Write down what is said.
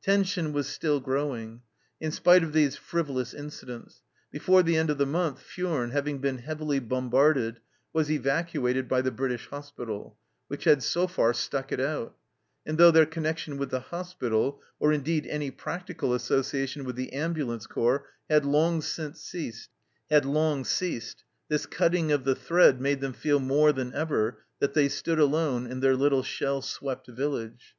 Tension was still growing, in spite of these frivolous incidents. Before the end of the month Furnes, having been heavily bombarded, was evacuated by the British hospital, which had so far " stuck it out," and though their connection with the hospital, or indeed any practical association with the ambulance corps, had long ceased, this cutting of the thread made them feel more than ever that they stood alone in their little shell swept village.